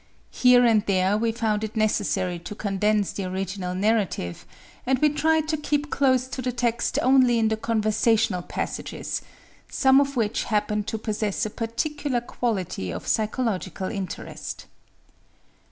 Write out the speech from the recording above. Here and there we found it necessary to condense the original narrative; and we tried to keep close to the text only in the conversational passages,—some of which happen to possess a particular quality of psychological interest.